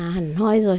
hẳn hoi rồi